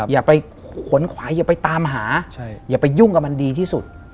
อย่าไปขนขวายอย่าไปตามหาอย่าไปยุ่งกับมันดีที่สุด